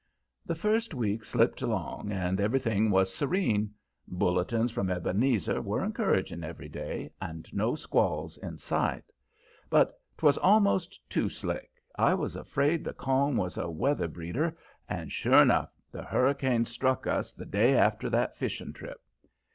The first week slipped along, and everything was serene. Bulletins from Ebenezer more encouraging every day, and no squalls in sight. But 'twas almost too slick. I was afraid the calm was a weather breeder, and sure enough, the hurricane struck us the day after that fishing trip.